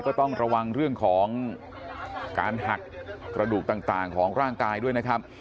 ก็ต้องระวังเรื่องของการหักกระดูกต่างของร่างกายด้วยนะครับ